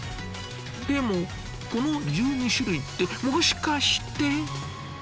でもこの１２種類ってもしかして？